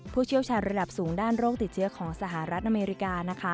เชี่ยวชาญระดับสูงด้านโรคติดเชื้อของสหรัฐอเมริกานะคะ